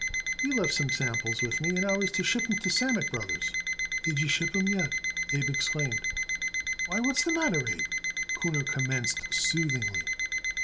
"He left some samples with me, and I was to ship 'em to Sammet Brothers." "Did you ship 'em yet?" Abe exclaimed. "Why, what's the matter, Abe?" Kuhner commenced soothingly.